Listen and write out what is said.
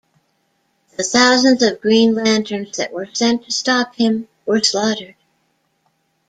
The thousands of Green Lanterns that were sent to stop him were slaughtered.